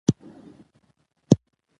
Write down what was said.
د چاپیریال ساتل د وطن سره د مینې نښه ده.